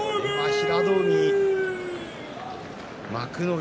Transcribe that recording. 平戸海、幕内